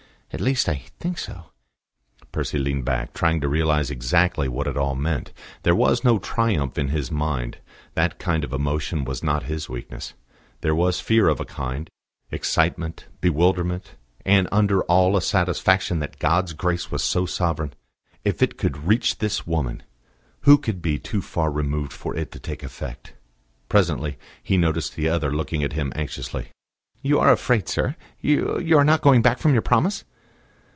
"At least, I think so." Percy leaned back, trying to realise exactly what it all meant. There was no triumph in his mind that kind of emotion was not his weakness; there was fear of a kind, excitement, bewilderment, and under all a satisfaction that God's grace was so sovereign. If it could reach this woman, who could be too far removed for it to take effect? Presently he noticed the other looking at him anxiously. "You are afraid, sir? You are not going back from your promise?"